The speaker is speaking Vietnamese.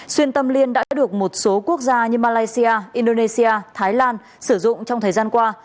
xuyên tâm liên đã được một số quốc gia như malaysia indonesia thái lan sử dụng trong thời gian qua